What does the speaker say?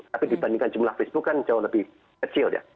tapi dibandingkan jumlah facebook kan jauh lebih kecil ya